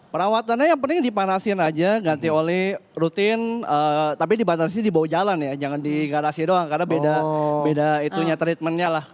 perawatannya yang penting dipanasin aja ganti oleh rutin tapi dibatasi di bawah jalan ya jangan di garasi doang karena beda itunya treatmentnya lah